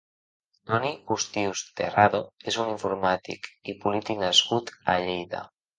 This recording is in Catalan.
Toni Postius Terrado és un informàtic i polític nascut a Lleida.